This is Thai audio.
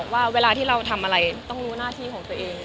ว่าเวลาที่เราทำอะไรต้องรู้หน้าที่ของตัวเอง